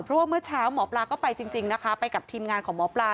เพราะว่าเมื่อเช้าหมอปลาก็ไปจริงนะคะไปกับทีมงานของหมอปลา